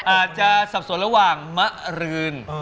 อาจจะสับสนระหว่างมะเรือง